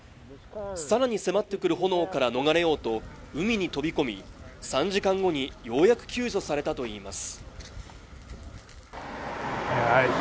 更に迫ってくる炎から逃れようと海に飛び込み３時間後にようやく救助されたといいます